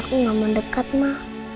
tapi aku gak mau dekat ma